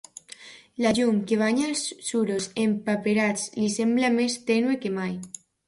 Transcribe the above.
La llum que banya els suros empaperats li sembla més tènue que mai.